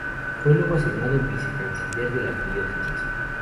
Fue luego asignado Vice-canciller de la arquidiócesis.